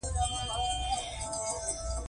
غریبه تشه توره راغله.